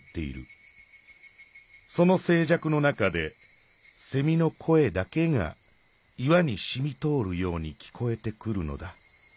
その静じゃくの中での声だけが岩にしみとおるように聞こえてくるのだ。